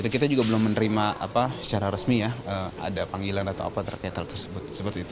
kita juga belum menerima secara resmi ya ada panggilan atau apa terkait hal tersebut